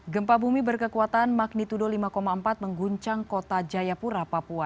gempa bumi berkekuatan magnitudo lima empat mengguncang kota jayapura papua